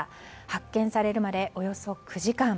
発見されるまでおよそ９時間。